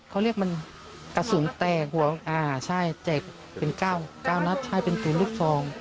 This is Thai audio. เขาเรียกมันกระสุนแตกหัวใช่แตกเป็น๙นัดใช่เป็นปืนลูกซอง